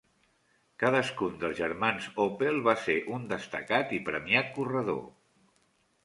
Cadascun dels germans Opel va ser un destacat i premiat corredor.